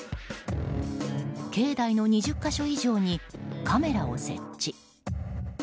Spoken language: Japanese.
境内の２０か所以上にカメラを設置。